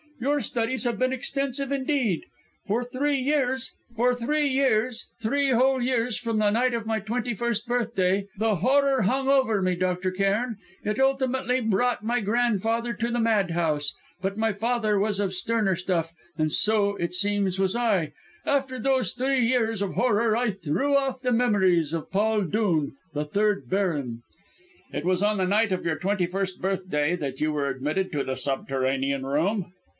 "Your studies have been extensive indeed. For three years three whole years from the night of my twenty first birthday the horror hung over me, Dr. Cairn. It ultimately brought my grandfather to the madhouse, but my father was of sterner stuff, and so, it seems, was I. After those three years of horror I threw off the memories of Paul Dhoon, the third baron " "It was on the night of your twenty first birthday that you were admitted to the subterranean room?"